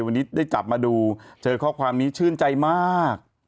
วันนี้ได้กลับมาดูเจอข้อความนี้ชื่นใจมาก